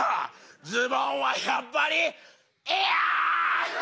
ズボンはやっぱりええやん！